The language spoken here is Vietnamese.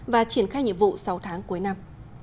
và triển khai nhiệm vụ sáu tháng cuối năm